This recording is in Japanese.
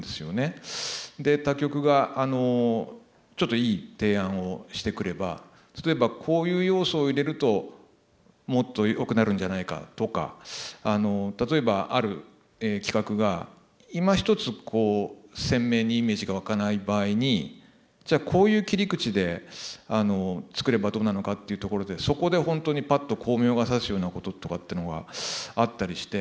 他局がちょっといい提案をしてくれば例えばこういう要素を入れるともっとよくなるんじゃないかとか例えばある企画がいまひとつ鮮明にイメージが湧かない場合にじゃあこういう切り口で作ればどうなのかっていうところでそこで本当にぱっと光明がさすようなこととかってのがあったりして。